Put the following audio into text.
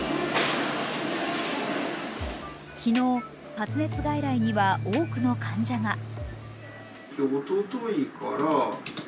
昨日、発熱外来には多くの患者が。